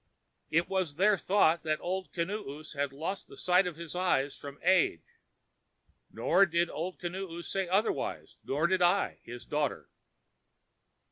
It was their thought that Old Kinoos had lost the sight of his eyes from age; nor did Old Kinoos say otherwise, nor did I, his daughter.